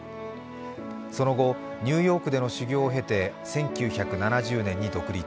その後、ニューヨークでの修業を経て１９７０年に独立。